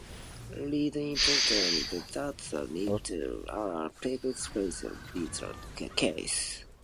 "Read" implies that the lectures are text-based, which is not necessarily the case.